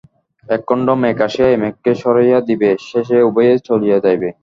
একখণ্ড মেঘ আসিয়া এই মেঘকে সরাইয়া দিবে, শেষে উভয়েই চলিয়া যাইবে।